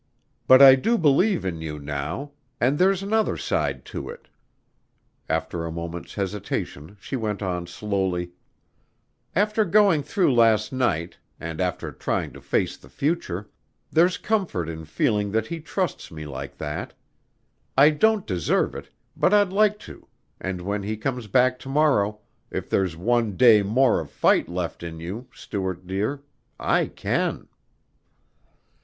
"But I do believe in you now and there's another side to it." After a moment's hesitation she went on slowly: "After going through last night and after trying to face the future ... there's comfort in feeling that he trusts me like that. I don't deserve it, but I'd like to ... and when he comes back to morrow, if there's one day more of fight left in you, Stuart dear I can."